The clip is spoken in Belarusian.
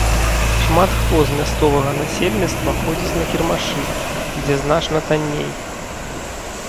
Шмат хто з мясцовага насельніцтва ходзіць на кірмашы, дзе значна танней.